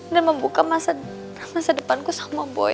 dan membuka masa depanku sama boy